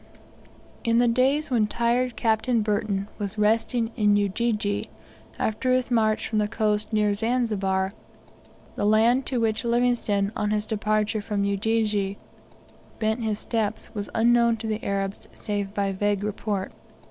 In the days when tired Captain Burton was resting in Ujiji, after his march from the coast near Zanzibar, the land to which Livingstone, on his departure from Ujiji, bent his steps was unknown to the Arabs save by vague report.